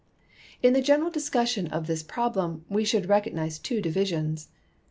* In the general discussion of this problem we should recognize two divisions.